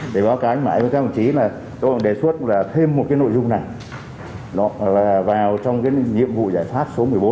để báo cánh mãi với các bản chí là tôi đề xuất là thêm một cái nội dung này vào trong cái nhiệm vụ giải pháp số một mươi bốn